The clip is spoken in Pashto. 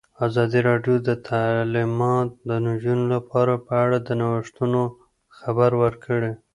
ازادي راډیو د تعلیمات د نجونو لپاره په اړه د نوښتونو خبر ورکړی.